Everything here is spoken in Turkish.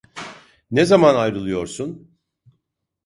Ne zaman ayrılıyorsun?